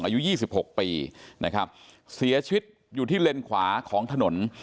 อายุ๒๖ปีนะครับเสียชีวิตอยู่ที่เลนควาของถนน